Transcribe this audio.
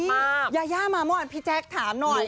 นี่ยาย่ามาหมดพี่แจ๊กถามหน่อย